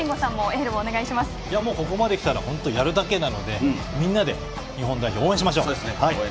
ここまできたらやるだけなのでみんなで日本代表を応援しましょう。